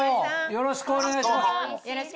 よろしくお願いします。